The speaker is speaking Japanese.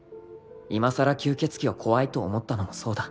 ［いまさら吸血鬼を怖いと思ったのもそうだ］